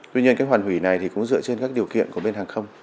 tuy nhiên cái hoàn hủy này thì cũng dựa trên các điều kiện của bên hàng không